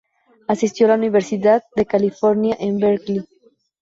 Asistió a la Universidad de California en Berkeley.